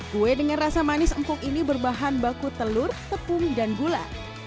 kue dengan rasa manis empuk ini berbahan baku telur tepung dan gula